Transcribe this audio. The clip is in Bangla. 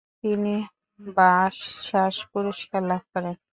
তিনি বাচসাস পুরস্কারও লাভ করেন।